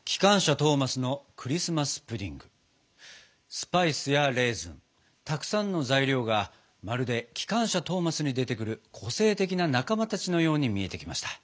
スパイスやレーズンたくさんの材料がまるで「きかんしゃトーマス」に出てくる個性的な仲間たちのように見えてきました。